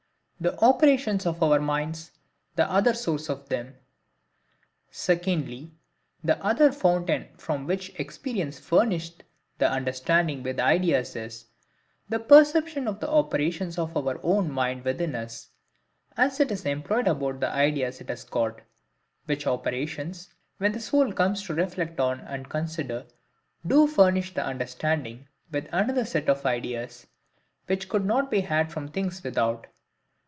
The Operations of our Minds, the other Source of them. Secondly, the other fountain from which experience furnisheth the understanding with ideas is,—the perception of the operations of our own mind within us, as it is employed about the ideas it has got;—which operations, when the soul comes to reflect on and consider, do furnish the understanding with another set of ideas, which could not be had from things without.